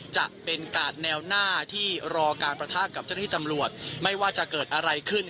จะเป็นกาดแนวหน้าที่รอการประทะกับเจ้าหน้าที่ตำรวจไม่ว่าจะเกิดอะไรขึ้น